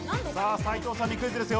斉藤さんにクイズです。